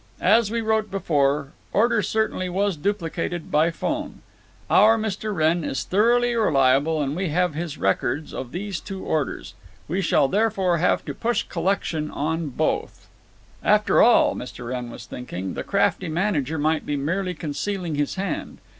As we wrote before, order certainly was duplicated by 'phone. Our Mr. Wrenn is thoroughly reliable, and we have his records of these two orders. We shall therefore have to push collection on both—" After all, Mr. Wrenn was thinking, the crafty manager might be merely concealing his hand.